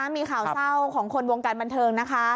มีข่าวเศร้าของคนวงการบันเทิงนะคะ